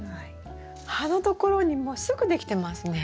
葉のところにもうすぐできてますね。